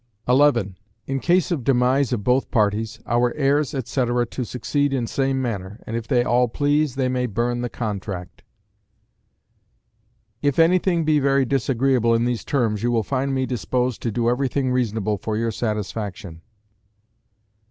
11. In case of demise of both parties, our heirs, etc., to succeed in same manner, and if they all please, they may burn the contract. If anything be very disagreeable in these terms, you will find me disposed to do everything reasonable for your satisfaction.